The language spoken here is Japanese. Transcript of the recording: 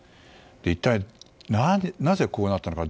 一体なぜこうなったのか。